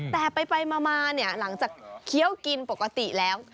แต่ไปมาเนี่ยหลังจากเคี้ยวกินปกติแล้ว